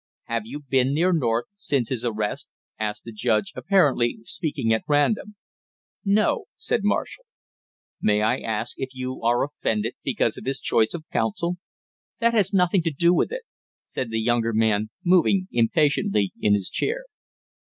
"Have you been near North since his arrest?" asked the judge, apparently speaking at random. "No," said Marshall. "May I ask if you are offended because of his choice of counsel?" "That has nothing to do with it!" said the younger man, moving impatiently in his chair.